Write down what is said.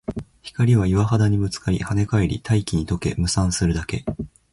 光は岩肌にぶつかり、跳ね返り、大気に溶け、霧散するだけ